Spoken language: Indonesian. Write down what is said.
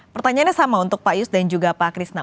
pertanyaannya sama untuk pak yus dan juga pak krisna